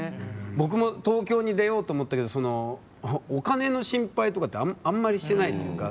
僕も東京に出ようと思ったけどお金の心配とかってあんまりしてないというか。